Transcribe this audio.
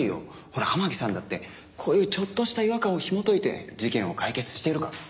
ほら天樹さんだってこういうちょっとした違和感を紐解いて事件を解決してるから。